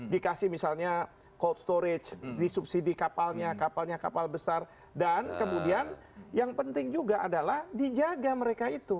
dikasih misalnya cold storage disubsidi kapalnya kapalnya kapal besar dan kemudian yang penting juga adalah dijaga mereka itu